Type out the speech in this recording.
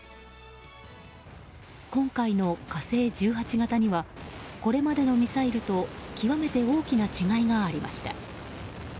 今回の「火星１８型」にはこれまでのミサイルと極めて大きな違いがありました。